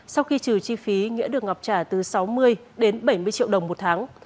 sau khi trừ chi phí nghĩa được ngọc trả từ sáu mươi đến bảy mươi triệu đồng một tháng